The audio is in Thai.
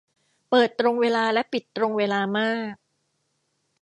เปิดตรงเวลาและปิดตรงเวลามาก